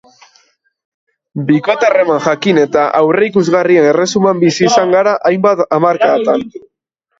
Bikote-harreman jakin eta aurreikusgarrien erresuman bizi izan gara hainbat hamarkadatan.